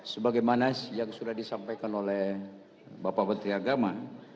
sebagai manas yang sudah disampaikan oleh bapak menteri agama